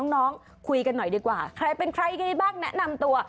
น้องคุยกันหน่อยดีกว่าใครเป็นใครกันได้บ้างแนะนำตัว